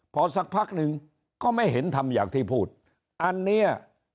พอสักพักหนึ่งก็ไม่เห็นทำอย่างที่พูดอันเนี้ย